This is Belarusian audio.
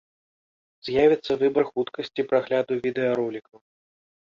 З'явіцца выбар хуткасці прагляду відэаролікаў.